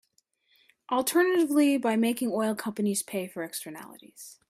Alternatively, by making oil companies pay for externalities.